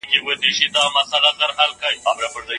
پلان جوړونه په پرمختیا کي رول لري.